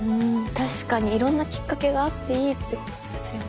確かにいろんなきっかけがあっていいってことですよね。